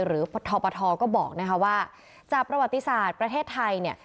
หรือพทพทก็บอกว่าจากประวัติศาสตร์ประเทศไทย